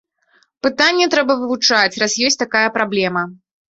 Пытанне трэба вывучаць, раз ёсць такая праблема.